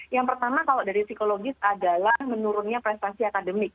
yang pertama kalau dari psikologis adalah menurunnya prestasi akademik